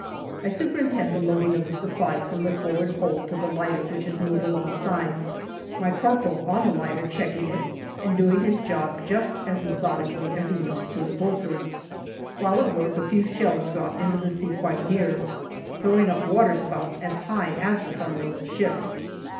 I superintend the loading of the supplies from the forward hold to the lighter which has moored alongside, my corporal on the lighter checking it, and doing his job just as methodically as he used to at Bulford. While at work, a few shells drop into the sea quite near, throwing up waterspouts as high as the funnel of the ship.